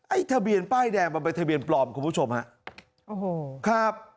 ทะเบียนป้ายแดงมันเป็นทะเบียนปลอมคุณผู้ชมฮะโอ้โหครับ